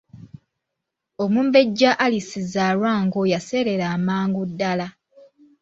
Omumbejja Alice Zzaalwango yaseerera amangu ddala.